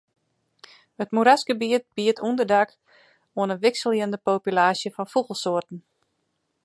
It moerasgebiet biedt ûnderdak oan in wikseljende populaasje fan fûgelsoarten.